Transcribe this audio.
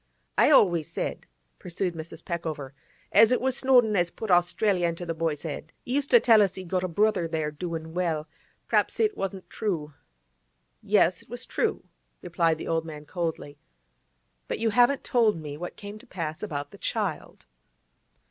'I always said,' pursued Mrs. Peckover, 'as it was Snowdon as put Australia into the boy's 'ed. He used to tell us he'd got a brother there, doin' well. P'r'aps it wasn't true.' 'Yes, it was true,' replied the old man coldly. 'But you haven't told me what came to pass about the child.